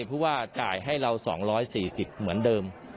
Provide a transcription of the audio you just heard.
เพราะว่าจ่ายให้เรา๒๔๐เหมือนเดิม